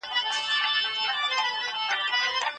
چي یانکای شیک د غرب په کلتور کي روزل شوی و.